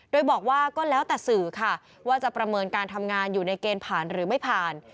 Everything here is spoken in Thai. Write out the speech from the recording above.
โดยบอกว่าก็แล้วแต่สื่อค่ะว่าจะประเมินการทำงานอยู่ในเกณฑ์ผ่านหรือไม่ผ่าน